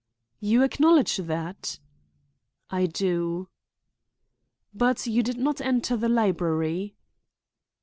"You acknowledge that?" "I do." "But you did not enter the library?"